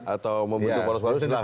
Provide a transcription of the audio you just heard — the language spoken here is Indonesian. atau membentuk polos baru